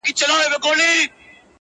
پر اسمان یې د پردیو غوبل جوړ دی.!